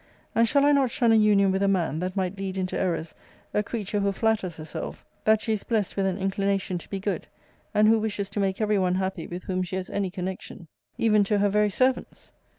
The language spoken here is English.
And shall I not shun a union with a man, that might lead into errors a creature who flatters herself that she is blest with an inclination to be good; and who wishes to make every one happy with whom she has any connection, even to her very servants?